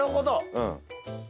うん。